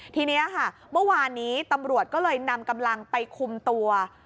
ทีนี้ค่ะเมื่อวานนี้ตำรวจก็เลยนำกำลังไปคุมตัว